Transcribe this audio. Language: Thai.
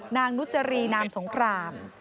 นางนุจรีนามสงคราม